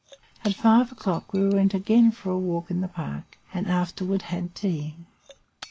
At five o'clock, we again went for a walk in the park and afterward had tea. "Q.